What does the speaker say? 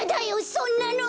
そんなの！